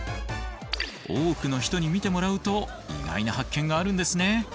多くの人に見てもらうと意外な発見があるんですね。